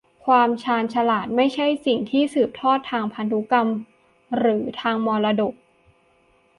ความชาญฉลาดไม่ใช่สิ่งที่สืบทอดทางกรรมพันธุ์หรือทางมรดก